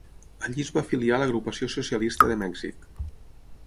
Allí es va afiliar a l'Agrupació socialista de Mèxic.